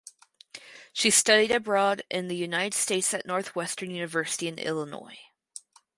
She studied abroad in the United States at Northwestern University in Illinois.